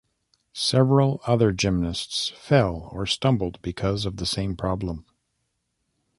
Several other gymnasts fell or stumbled because of the same problem.